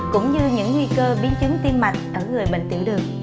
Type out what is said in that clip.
cũng như những nguy cơ biến chứng tim mạch ở người bệnh tiểu đường